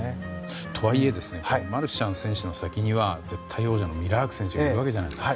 とはいえマルシャン選手の先には絶対王者のミラーク選手がいるわけじゃないですか。